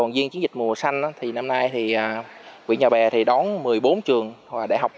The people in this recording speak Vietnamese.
duyên chiến dịch mùa xanh năm nay nguyễn nhà bè đón một mươi bốn trường đại học